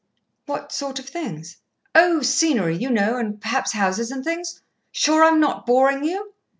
"What sort of things?" "Oh, scenery, you know, and perhaps houses and things. Sure I'm not boring you?"